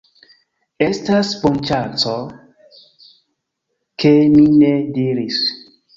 Estas bonŝanco, ke mi ne diris: